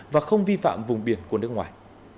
và không vi phạm vùng biển của nước ngoài